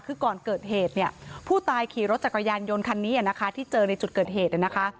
คือก่อนเกิดเหตุเนี่ยผู้ตายขี่รถจักรยานยนต์คันนี้นะคะที่เจอในจุดเกิดเหตุนะคะ